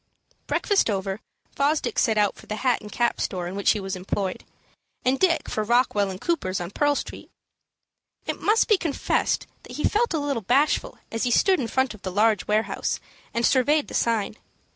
Breakfast over, Fosdick set out for the hat and cap store in which he was employed, and Dick for Rockwell & Cooper's on Pearl Street. It must be confessed that he felt a little bashful as he stood in front of the large warehouse, and surveyed the sign.